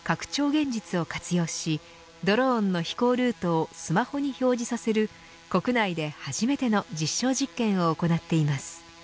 現実を活用しドローンの飛行ルートをスマホに表示させる国内で初めての実証実験を行っています。